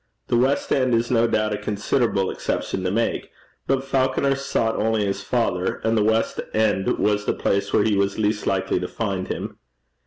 The west end is no doubt a considerable exception to make, but Falconer sought only his father, and the west end was the place where he was least likely to find him.